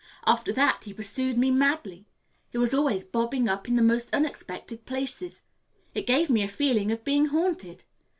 After that he pursued me madly. He was always bobbing up in the most unexpected places. It gave me a feeling of being haunted.